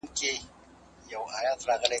موږ باید د خپل حق لپاره مبارزه وکړو.